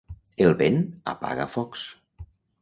El vent apaga focs.